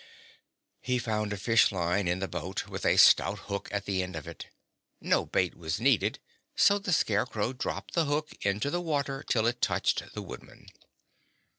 He found a fishline in the boat, with a stout hook at the end of it. No bait was needed, so the Scarecrow dropped the hook into the water till it touched the Woodman.